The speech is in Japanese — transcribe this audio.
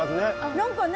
何かね。